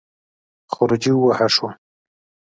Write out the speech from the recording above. خروجی ووهه شو.